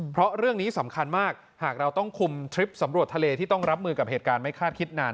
เพราะเรื่องนี้สำคัญมากหากเราต้องคุมทริปสำรวจทะเลที่ต้องรับมือกับเหตุการณ์ไม่คาดคิดนาน